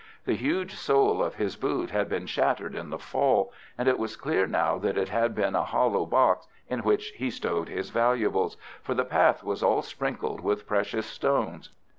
The huge sole of his boot had been shattered in the fall, and it was clear now that it had been a hollow box in which he stowed his valuables, for the path was all sprinkled with precious stones.